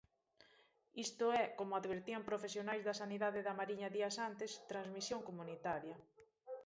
Isto é, como advertían profesionais da Sanidade da Mariña días antes: transmisión comunitaria.